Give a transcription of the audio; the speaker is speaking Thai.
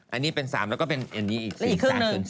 อันนี้เป็น๓แล้วก็เป็นอีก๔แล้วอีกครึ่งหนึ่ง